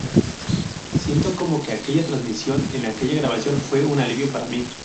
Siento como que aquella transición en aquella grabación fue un alivio para mí.